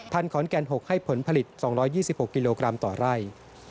ขอนแก่น๖ให้ผลผลิต๒๒๖กิโลกรัมต่อไร่